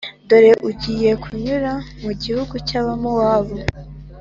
dore ugiye kunyura mu gihugu cy’abamowabu,